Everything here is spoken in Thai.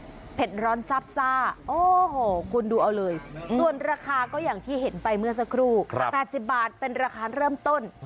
เผ็ดร้อนซับซ่าโอ้โหคุณดูเอาเลยส่วนราคาก็อย่างที่เห็นไปเมื่อสักครู่๘๐บาทเป็นราคาเริ่มต้น